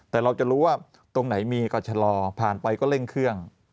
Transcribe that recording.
แต่เราจะรู้ว่าตรงไหนมีก็ชะลอผ่านไปก็เร่งเครื่อง